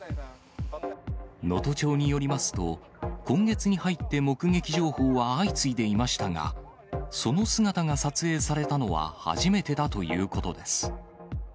能登町によりますと、今月に入って目撃情報は相次いでいましたが、その姿が撮影されたのは、初めてだということです。